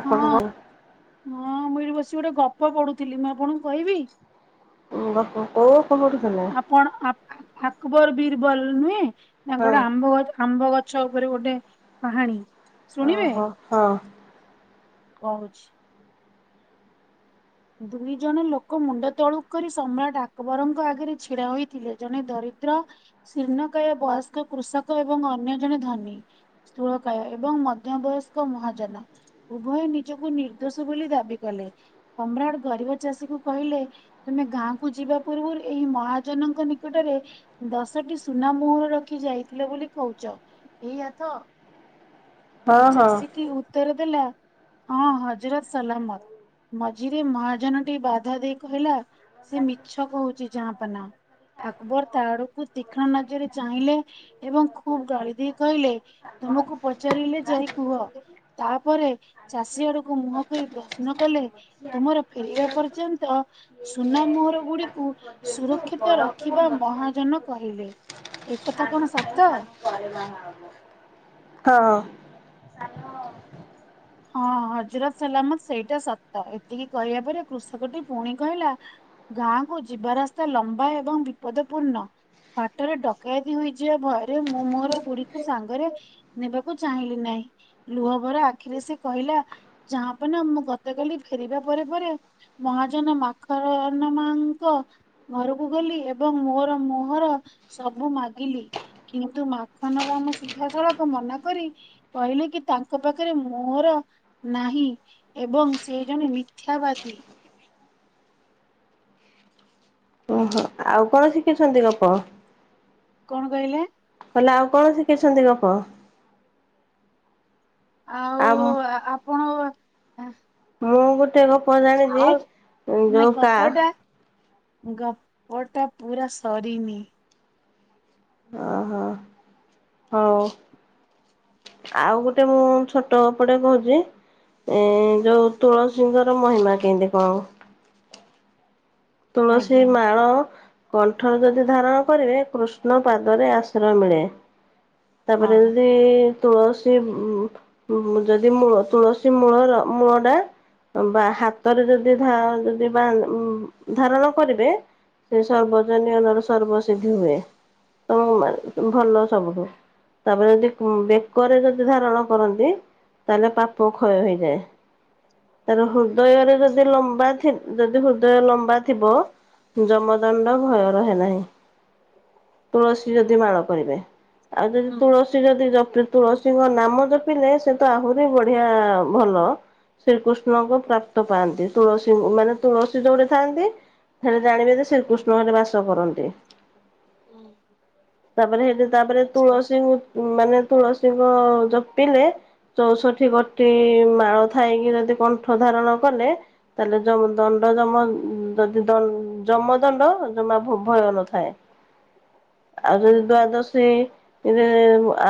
ଆପଣ ହଁ କ ହଁ ମୁଁ ଏଇଠି ବସିିକି ଗୋଟେ ଗପ ପଢୁଥିଲି ମୁଁ ଆପଣଙ୍କୁ କହିବି? ଗପ କୋଉ ଗପ ପଢୁଥିଲ? କଣ ଅକ ଆକବର ବିୀର ବଲ୍ ନୁହେଁ ହଁ ତାଙ୍କର ଗୋଟେ ଆମ୍ବ ଗଛ ଆମ୍ବ ଗଛ। ଗଛ ଉପରେ ଗୋଟେ କାହାଣୀ ଶୁଣିବେ ଓହୋ ହଁ କହୁଛି। ଦୁଇ ଜଣ ଲୋକ ମୁଣ୍ଡ ତଳୁକୁ କରି ସମ୍ରାଟ ଆକବରଙ୍କ ଆଗରେ ଛିଡା ହୋଇଥିଲେ ଜଣେ ଦରିଦ୍ର ଶିର୍ଣକାୟ ବୟସ୍କ କୃଷକ ଏବଂ ଅନ୍ୟ ଜଣେ ଧନୀ। ସୁଳକାୟ ଏବଂ ମଧ୍ୟ ବୟସ୍କ ମହାଜନ। ଉଭୟ ନିଜକୁ ନିର୍ଦ୍ଦୋଷ ବୋଲି ଦାବି କଲେ ସମ୍ରାଟ ଗରିବ ଚାଷୀକୁ କହିଲେ ତମେ ଗାଁକୁ ଯିବା ପୂର୍ବରୁ ଏଇ ମହାଜନଙ୍କ ନିକଟରେ ଦଶଟି ସୁନା ମୋହର ରଖି ଯାଇଥିଲେ ବୋଲି କହୁଛ ଏଇଆ ତ। ହଁ ହଁ ହଁ। ଚାଷୀଟି ଉତ୍ତର ଦେଲା ହଁ ହଜାର ସଲାମତ। ମଝିରେ ମହାଜନ ଟି ବାଧା ଦେଇ କହିଲା ସେ ମିଛ କହୁଛି ଯା ପନା। ଆକବର ତା ଆଡକୁ ତୀକ୍ଷ୍ଣ ନଜରରେ ଚାହିଁଲେ ଏବଂ ଖୁବ ଗଳି ଦେଇ କହିଲେ ତୁମକୁ ପଚାରିଲେ ଯାଇ କୁହ। ତାପରେ ଚାଷୀ ଆଡକୁ ମୁହଁ କରି ପ୍ରଶ୍ନ କଲେ ତୁମର ଫେରିବା ପର୍ଯ୍ୟନ୍ତ ସୁନା ମୋହର ଗୁଡିକୁ ସୁରକ୍ଷିତ ରଖିବା ମହାଜନ କହିଲେ। ଏକଥା କଣ ସତ? ପରେ ବାହା ହବ। ହଁଁ। ସଲ ହଁ ହଜରତ ସଲାମତ ସେଇଟା ସତ ଏତିକି କହିବା ପରେ କୃଷକଟି ପୁଣି କହିଲା। ଗାଁକୁୁ ଯିବା ରାସ୍ତା ଲମ୍ବା ଏବଂ ବିପଦ ପୂର୍ଣ୍ଣ। ବାଟରେ ଡକାୟତି ହୋଇଯିବା ଭୟରେ ମୁଁ ମୋର ଗୁଡିକୁ ସାଙ୍ଗରେ ନେବାକୁ ଚାହିଁଲି ନାହିଁ ଲୁହଭରା ଆଖିରେ ସେ କହିଲା ଯାହାପ ନା ମୁଁ ଗତକାଲି ଫେରିବା ପରେ ପରେ ମହାଜନ ମାଖନ ନ ମାଙ୍କ ଘରକୁ ଗଲି ଏବଂ ମୋର ମୁହଁର ସବୁ ମାଗିଲି କିନ୍ତୁ ମାଖନ ର ଆମ ସିଧାସଳଖ ମନା କରି କହିଲେ କି ତାଙ୍କ ପାଖରେ ମୋର ନାହିଁ ଏବଂ ସେ ଜଣେ ମିଥ୍ୟାବାଦୀ ଓହୋ ଆଉ କଣ ଶିଖିଛନ୍ତି ଗପ କଣ କହିଲେ କହିଲି ଆଉ କଣ ଶିଖିଛନ୍ତି ଗପ ଆ ଆମ ଁ ମୁଁ ଗୋଟେ ଗପ ଜାଣିଛି ଆଉ ନାଇଁ ଯୋଉ କା ଗପଟା ଗପଟା ପୁରା ସରିନି ଓହୋ ହଉ ଆଉ ଗୋଟେ ମୁଁ ଛୋଟ ଗପ ଟେ କହୁଛି ଏ ଯୋଉ ତୁଳସୀଙ୍କର ମହିମା କେମିତି କଣ ତୁଳସୀ ଆଜ୍ଞା ମାଳ କଣ୍ଠ ରେ ଯଦି ଧାରଣ କରିବେ କୃଷ୍ଣ ପାଦରେ ଆଶ୍ରୟ ମିଳେ ତାପରେ ହଁ। ଯଦି ତୁଳସୀ ମୁ ଯଦି ମୁ ତୁଳସୀ ମୂଳର ମୂଳ ଟା ବା ହାତରେ ଯଦି ଧ ଯଦି ବା ଉଁ ଧାରଣ କରିବେ ସେ ସର୍ବଜନୀୟନ ସର୍ବସିିଦ୍ଧି ହୁଏ ତମ ଭଲ ସବୁଠୁ ତାପରେ ଯଦି ବେକରେ ଯଦି ଧାରଣ କରନ୍ତି ତାହଲେ ପାପ କ୍ଷୟ ହୋଇଯାଏ ତାର ହୃଦୟରେ ଯଦି ଲମ୍ବା ଥିବ ଯଦି ହୃଦୟ ଲମ୍ବା ଥିବ ଯମଦଣ୍ଡ ଭୟ ରହେ ନାହିଁ। ତୁଳସୀ ଯଦି ମାଳ କରିବେ ଆଉ ଯଦି ହୁଁ ତୁଳସୀ ଯଦି ଜପି ତୁଳସୀଙ୍କ ନାମ ଜପିଲେ ସେ ତ ଆହୁରି ବଢିଆ ଭଲ ଶ୍ରୀକୃଷ୍ଣଙ୍କ ପ୍ରାପ୍ତ ପାଆନ୍ତି ତୁଳସୀ ମାନେ ତୁଳସୀ ଯୋଉଠେ ଥାଆନ୍ତି ହେଲେ ଜାଣିବେ ଯେ ଶ୍ରୀକୃଷ୍ଣ ଏଠେ ବାସ କରନ୍ତି ତାପରେ ସେଇଠି ତାପରେ ଆଚ୍ଛା। ତୁଳସୀ ମାନେ ତୁଳସୀଙ୍କ ଜପିଲେ ଚଉଷଠି ଗୋଟି ମାଳ ଥାଇକି ଯଦି କଣ୍ଠ ଧାରଣ କଲେ ତାହେଲେ ଯମ ଦଣ୍ଡ ଯମ ଉଁ ଯଦି ଦଣ୍ଡ ଯମ ଦଣ୍ଡ ଜମା ଭୟ ନଥାଏ। ଆଉ ଯଦି ଦ୍ଵାଦଶୀ ଏମିତିରେ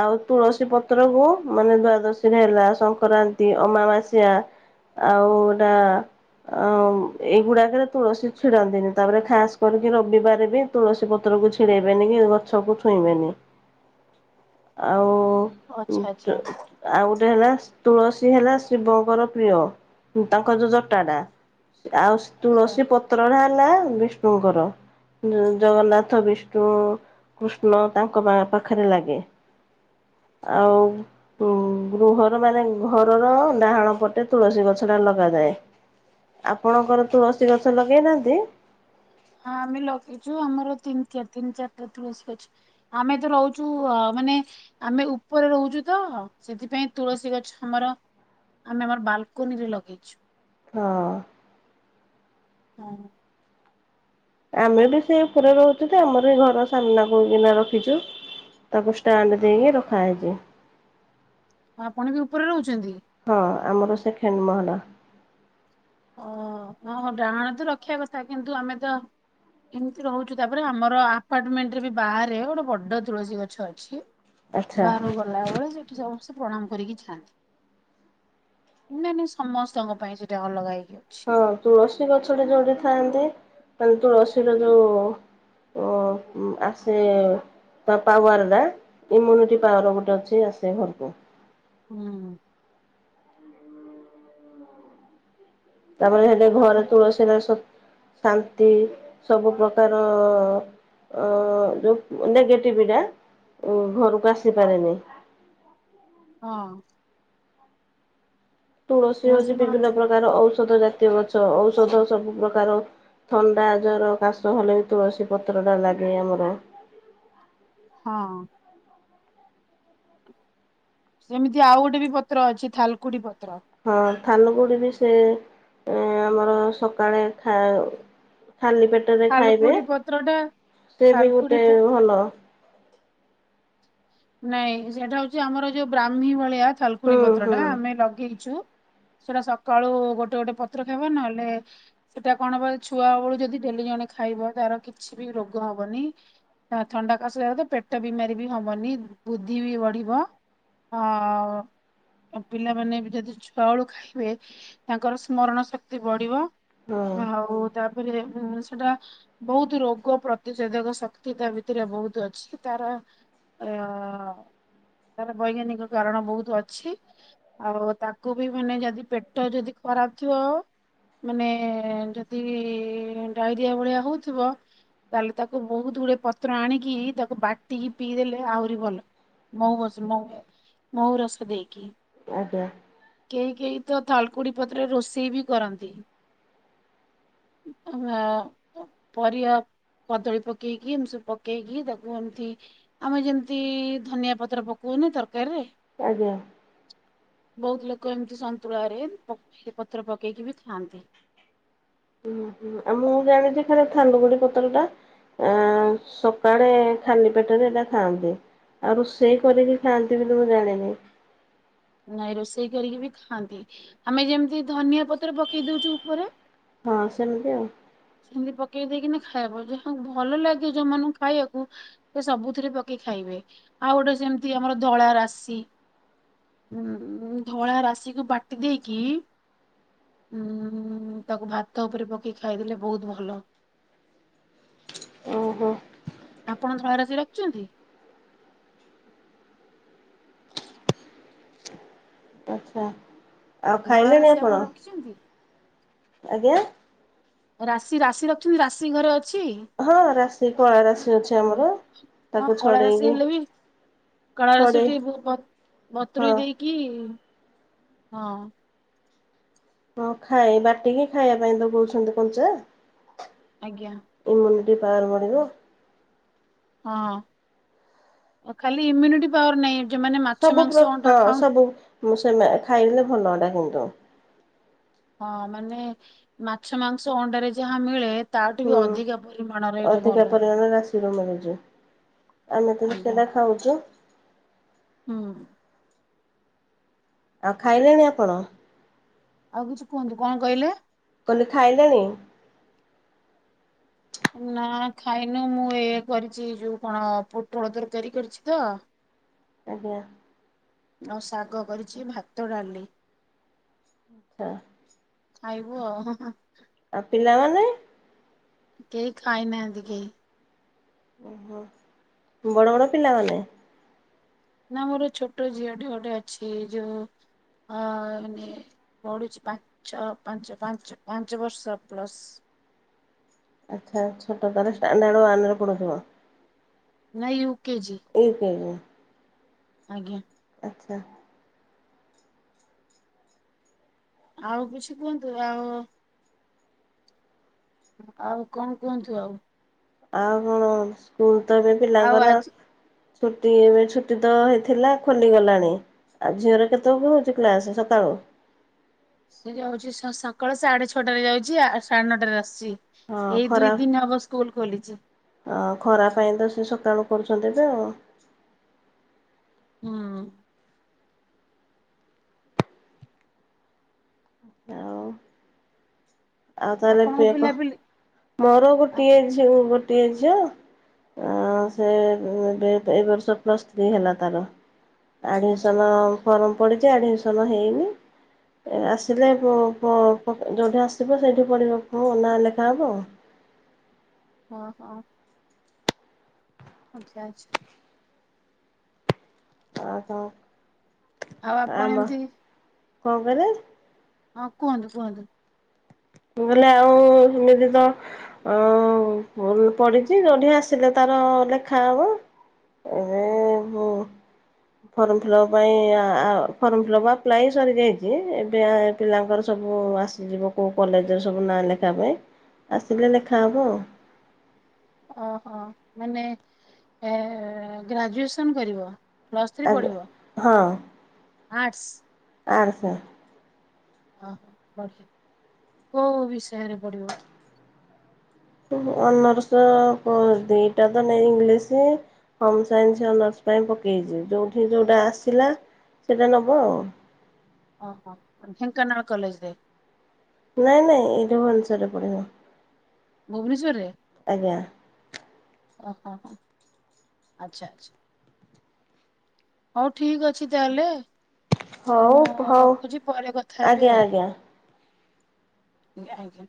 ଆଉ ତୁଳସୀ ପତ୍ର କୁ ମାନେ ଦ୍ଵାଦଶୀରେ ହେଲା ସଂକ୍ରରା ନ୍ତି ଅମାବାସ୍ୟା ଆଉ ଏଟା ଅ ଏଗୁଡ଼ାକରେ ତୁଳସୀ ଛିଡ଼ାନ୍ତିନି ତାପରେ ଖାସ୍ କରିକି ରବିବାର ବି ତୁଳସୀ ପତ୍ରକୁ ଛିଡ଼େଇବେନି କି ଗଛକୁ ଛୁଇଁବେନି। [inaudible] ଆଉ ଆଉ ଆଚ୍ଛା ଆଚ୍ଛା ଗୋଟେ ହେଲା ତୁଳସୀ ହେଲା ଶିବଙ୍କର ପ୍ରିୟ ତାଙ୍କର ଯୋଉ ଜଟାଟା। ଆଉ ଆଚ୍ଛା ହଁ ତୁଳସୀ ପତ୍ରଟା ହେଲା ବିଷ୍ଣୁଙ୍କର। ଜଗନ୍ନାଥ ବିଷ୍ଣୁ କୃଷ୍ଣ ତାଙ୍କ ପା ପାଖରେ ଲାଗେ। ଆଉ ଉଁ ଗୃହର ମାନେ ଘରର ଡାହାଣ ପଟେ ତୁଳସୀ ଗଛ ଟା ଲଗାଯାଏ। ଆପଣଙ୍କର ତୁଳସୀ ଗଛ ଲଗେଇନାହାନ୍ତି। ହଁ ଆମେ ଲଗେଇଛୁ ଆମର ତିନି ଚାରି ତିନି ଚାରିଟା ତୁଳସୀ ଗଛ। ଆମେତ ରହୁଛୁ ମାନେ ଆମେ ଉପରେ ରହୁଛୁ ତ ସେଥିପାଇଁ ତୁଳସୀ ଗଛ ଆମର ଆମେ ଆମର ବାଲୁକୁନିରେ ଲଗଇଛୁ। ହଁ। ହଁ। ଆମେ ବି ସେଇ ଉପରେ ରହୁଛୁ ତ ଆମର ବି ଘର ସାମ୍ନାକୁକିନା ରଖିଚୁ। ତାକୁ ଷ୍ଟାଣ୍ଡ ଦେଇକି ରଖାହେଇଚି। ଆପଣ ବି ଉପରେ ରହୁଛନ୍ତି? ହଁ ଆମର ସେଖେଣ୍ଡ ମହଲା। ଓହୋ ଡାହାଣ ତ ରଖିବା କଥା କିନ୍ତୁ ଆମେତ ଏମିତି ରହୁଛୁ ତାପରେ ଆମର ଆପାର୍ଟମେଣ୍ଟ ରେ ବି ବାହାରେ ଗୋଟେ ବଡ଼ ତୁଳସୀ ଗଛ ଅଛି। ଆଚ୍ଛା। ବାହାରକୁ ଗଲାବେଳି ସେଠି ସମସ୍ତେ ପ୍ରଣାମ କରିକି ଯାଆନ୍ତି। ନାଇଁ ନାଇଁ ସମସ୍ତଙ୍କ ପାଇଁ ସେଇଟା ଅଲଗା ହେଇ ହଁ ତୁଳସୀ ଗଛଟା ଯୋଉଠି ଥାଆନ୍ତି ମାନେ ତୁଳସୀର ଯୋଉ ଅ ଉ ଆସେ ତା ପାୱାରାଟା ଇମ୍ୟୁନିଟି ପାୱାର ଗୋଟେ ଅଛି ଆସେ ଘରକୁ। ହୁଁ। ତାପରେ ହେଟି ଆ ଘରେ ତୁଳସୀରେ ଶାନ୍ତି ସବୁ ପ୍ରକାର ଅ ଯୋଉ ନେଗେଟିଭିଟା ଘରକୁ ଆସିପାରେନି। ହଁ। ତୁଳସୀ ହଉଛି ବିଭିନ୍ନ ପ୍ରକାର ଔଷଧ ଜାତୀୟ ଗଛ ଔଷଧ ସବୁ ପ୍ରକାର ଥଣ୍ଡା ଜର କାଶ ହେଲେ ବି ତୁଳସୀ ପତ୍ରଟା ଲାଗେ ଆମର। ହଁ। ସେମିତି ଆଉ ଗୋଟେ ବି ପତ୍ର ଅଛି ଥାଲୁକୁଡି ପତ୍ର। ହଁ ଥାଲୁକୁଡ଼ି ବି ସେ ଆମର ସକାଳେ ଖାଲି ପେଟରେ ଖାଇବେ ଥାଲକୁଡି ପତ୍ରଟା ସେ ବି ଥାଲକୁଡି ଗୋଟେ ପ ଭଲ। ନାଇଁ ସେଇଟା ହଉଚି ଆମର ଯୋଉ ବ୍ରାହ୍ମୀ ଭଳିଆ ହୁଁ ଥାଲୁକୁୁଡି ହୁଁ ପତ୍ରଟା ଆମେ ଲଗେଇଛୁ। ସେଟା ସକାଳୁ ଗୋଟେ ଗୋଟେ ପତ୍ର ଖାଇବ ନହେଲେ ସେଟା କଣ ହବ ଛୁଆ ବେଳୁ ଯଦି ଡେଲି ଜଣେ ଖାଇବ ତାର କିଛି ବି ରୋଗ ହବନି। ହା ଥଣ୍ଡା କାଶ ଯେତେ ପେଟ ବିମାରୀ ବି ହବନି। ବୁଦ୍ଧି ବି ବଢିବ ଆଉ ଆଉ ପିଲାମାନେ ବି ଯଦି ଛୁଆବେଳୁ ଖାଇବେ ତାଙ୍କର ସ୍ମରଣ ଶକ୍ତି ବଢ଼ିବ। ହଁ ଆଉ ତାପରେ ସେଟା ବହୁତ ରୋଗ ପ୍ରତିଷେଧକ ଶକ୍ତି ତା ଭିତରେ ବହୁତ ଅଛି ତାର ଅ ତାର ବୈଜ୍ଞାନିକ କାରଣ ବହୁତ ଅଛି। ଆଉ ତାକୁ ବି ମାନେ ଯଦି ପେଟ ଯଦି ଖରାପ ଥିବ ମାନେ ଯଦି ଡାଇରିଆ ଭଳିଆ ହଉଥିବ। ତାହେଲେ ତାକୁ ବହୁତ ଗୁଡେ ପତ୍ର ଆଣିକି ତାକୁ ବାଟିକି ପିଇଦେଲେ ଆହୁରି ଭଲ ମହୁ ବ ମହୁ ରସ ଦେଇକି। ଆଜ୍ଞା। କେହି କେହି ତ ଥାଲକୁଡି ପତ୍ରରେ ରୋଷେଇ ବି କରନ୍ତି। ଅଁ ପରିବା। କଦଳୀ ପକେଇକି ଏମିତି ସବୁ ପକେଇକି ତାକୁ ଏମିତି। ଆମେ ଯେମିତି ଧନିଆ ପତ୍ର ପକଉନେ ତରକାରୀରେ। ଆଜ୍ଞା। ବହୁତ୍ ଲୋକ ଏମିତି ସନ୍ତୁଳାରେ ପକ୍ଷ ପତ୍ର ପକେଇକି ବି ଖାଆନ୍ତି। ହୁଁ ହୁଁ ଆଉ ମୁଁ ଜାଣିଛି ଖରେ ଥାଲୁକୁଣି ପତ୍ରଟା। ଆଁ ସକାଳେ ଖାଲି ପେଟରେ ଏଇଟା ଖାଆନ୍ତି। ଆଉ ରୋଷେଇ କରିକି ଖାଆନ୍ତି ବୋଲି ମୁଁ ଜାଣିନି? ନାଇଁ ରୋଷେଇ କରିକି ବି ଖାଆନ୍ତି ଆମେ ଯେମିତି ଧନିଆ ପତ୍ର ପକେଇଦଉଚୁ ଉପରେ। ହଁ ସେମିତି ଆଉ। ସେମିତି ପକେଇି ଦେଇକି ନି ଖାଇବ ଯାହାକୁ ଭଲ ଲାଗେ ଯୋଉମାନଙ୍କୁ ଖାଇବାକୁ। ସେ ସବୁଥିରେ ପକେଇ ଖାଇବେ ଆଉ ଗୋଟେ ସେମିତି ଆମର ଧଳା ରାଶି। ଉ ଧଳା ରାଶିକୁ ବାଟି ଦେଇକି। ଉଁ ତାକୁ ଭାତ ଉପରେ ପକେଇ ଖାଇଦେଲେ ବହୁତ୍ ଭଲ। ଓହୋ ଆପଣ ଧଳାରାଶି ରଖିଚନ୍ତି? ଆଚ୍ଛା। ଆଉ ଖାଇଲେଣି ଧଳାରାଶି ଆପଣ ରଖିଛନ୍ତି? ଆଜ୍ଞା। ରାଶି ରାଶି ରଖିଛନ୍ତି ରାଶି ଘରେ ଅଛି। ହଁ ରାଶି କଳାରାଶି ଅଛି ଓହୋ ଆମର ତାକୁ ଛଡେଇକି। କଳାରାଶି ଟେ ହଁ ବତୁରେଇ ଦେଇକି ହଁ। ହଁ ଖାଏ ବାଟିକି ଖାଇବା ପାଇଁ କହୁଛନ୍ତି କଞ୍ଚା। ଆଜ୍ଞା। ଇମ୍ୟୁନିଟି ପାୱାର ବଢ଼ିବ। ହଁ ଖାଲି ଇମ୍ୟୁନିଟି ପାୱାର ନାଇଁ। ସବୁ ହଁ ସବୁ ସେ ଖାଇଲେ ଭଲଟା କିନ୍ତୁ [inaudible] ହଁ ମାନେ ମାଛ, ମାଂସ, ଅଣ୍ଡାରେ ଯାହା ମିଳେ। ତାଠୁ ବି ହୁଁ ଅଧିକା ପରିମାଣରେ ଏଇଟା ଅଧିକା ଭଲ ପରିମାଣ ରାଶିରୁ ମିଳୁଚି। ଆମେ ତ ସେଇଟା ଖାଉଚୁ। ହୁଁଉ। ଆଉ ଖାଇଲେଣି ଆପଣ। ଆଉ କିଛି କୁହନ୍ତୁ କଣ କହିଲେ? କହିଲି ଖାଇଲେଣି। ନା ଖାଇନୁ ମୁଁ ଏଇ କରିଛିଯୋଉ କଣ ପୋଟଳ ତରକାରୀ କରିଛି ତ। ଆଜ୍ଞା। ଆଉ ଶାଗ କରିଛି ଭାତ, ଡାଲି। ହଁ। ଖାଇବୁ ଆଉ ଉ ହୁଁ। ଆଉ ପିଲାମାନେ। କେହି ଖାଇନାହାନ୍ତି କେହି। ଓହୋ ବଡ ବଡ ପିଲାମାନେ। ନା ମୋର ଛୋଟ ଝିଅଟେ ଗୋଟେ ଅଛି ଯୋଉ ଅ ମାନେ। ପଢୁଛି ପାଞ୍ଚ ପାଞ୍ଚ ପାଞ୍ଚ ପାଞ୍ଚ ବର୍ଷ ପ୍ଲସ ଆଚ୍ଛା ଛୋଟ ତାରେ ସାଣ୍ଡାର୍ଡ ୱାନ ରେ ପଢ଼ୁଥିବ? ନା ୟୁ କେ ଜି। ଓ ହୋ। ଆଜ୍ଞା। ଆଚ୍ଛା। ଆଉ କିଛି କୁହନ୍ତୁ ଆଉ ଆଉ କଣ କୁହନ୍ତୁ ଆଉ ଆଉ ହଁ ସ୍କୁଲ ତ ଏବେ ଆଉ ପିଲାଙ୍କର ଆଜି ଛୁଟି ଏବେ ଛୁଟି ତ ହେଇଥିଲା ଖୋଲିଗଲାଣି। ଆଉ ଝିଅର କେତେବେଳକୁ ହେଉଛି କ୍ଲାସ ସକାଳୁ? ସେ ଯାଉଛି ଛ ସକାଳ ସାଢେ ଛଅଟାରେ ଯାଉଛି ଆ ସାଢେ ନଅଟାରେ ଆସୁଛି। ହଁ ଏଇ ଖରା ଦୁଇ ଦିନ ହବ ସ୍କୁଲ ଖୋଲିଛି। ହଁ ଖରା ପାଇଁ ତ ସେ ସକାଳୁ କରୁଛନ୍ତି ତ ହୁଁ। ଆଉ ଆଉ ତାହେଲେ ଆପଣଙ୍କ ପେପ ପିଲାପିଲି ମୋର ଆ ଗୋଟିଏ ଝିଅ ଗୋଟିଏ ଝିଅ ହଁ ସେ ଏବେ ଏ ବର୍ଷ ପ୍ଲସ୍ ଥ୍ରୀ ହେଲା ତାର। ଆଚ୍ଛା ଆଡ଼ମିସନ ଫର୍ମ ପଡ଼ିଛି ଆଡ଼ମିସନ୍ ହେଇନି ଆସିଲେ ପ ପ ପକେ ଯେଉଁଠି ଆସ ସିବ ସେଇଠି ପଢ଼ିବ ପୁଅ ନାଁ ଲେଖା ହେବ ଆଉ। ହଁ ହଁ। ଆଚ୍ଛା ଆଚ୍ଛା। ଅ ହ ଆଉ ଆପଣ ଆମ କଣ ଏମିତି କହିଲେ? ହଁ କୁହନ୍ତୁ କୁହନ୍ତୁ। ମୁଁ କହିଲି ଆଉ ସେମିତି ତ ଅ ଭଲ ପଢିଛି ଯୋଉଠି ଆସିଲେ ତାର ଲେଖା ହବ। [unintelligible] ଫର୍ମ ଫିଲ୍ଅପ୍ ପାଇଁ ଆ ଆ ଫର୍ମ ଫିଲ୍ଅପ୍ ଆପ୍ଲାଏ ସରିଯାଇଛି ଏବେ ପିଲାଙ୍କର ସବୁ ଆସିଯିବ କୋଉ କଲେଜରେ ସବୁ ନାଁ ଲେଖା ପାଇଁ ଆସିଲେ ଲେଖାହବ ଆଉ। ଓହୋ ମାନେ ହେ ହେ ଗ୍ରାଜୁଏସନ୍ କରିବ? ପ୍ଲସ୍ ଥ୍ରୀ ଆଉ ଆଜ୍ଞା ପଢ଼ିବ ଆର୍ଟସ୍? ଆର୍ଟସ୍ ଓହୋ ବଢିଆ କୋଉ ବିଷୟରେ ବଢିବ? କୋଉ ଅନର୍ସ କଣ ଦିଟା ତ ନେଇ ଇଂଲିଶ ହୋମ ସାଇନ୍ସ ଅନର୍ସ ପାଇଁ ପକେଇଛି ଯୋଉଠି ଯୋଉଟା ଆସିଲା ସେଇଟା ନବ ଆଉ। ଓହୋ ଢେଙ୍କାନାଳ କଲେଜରେ? ନାଇଁ ନାଇଁ ଏଇଠି ଭୁବନେଶ୍ୱରରେ ପଢିବ। ଭୁବନେଶ୍ଵରରେ? ଆଜ୍ଞା। ଓ ହୋ ହୋ ଆଚ୍ଛା ଆଚ୍ଛା। ହଉ ଠିକ ଅଛି ତାହେଲେ। ହଉ ମୁଁ ହଉ ରଖୁଛି ପରେ କଥା ହେବି ଆଜ୍ଞା ଆଉ। ଆଜ୍ଞା ଆଜ୍ଞା ଆଜ୍ଞା।